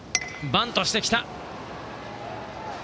バントしてきた。